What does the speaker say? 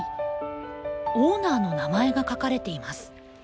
オーナーの名前が書かれています。